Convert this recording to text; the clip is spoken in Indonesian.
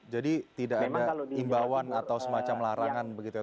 jadi tidak ada imbauan atau semacam larangan begitu begitu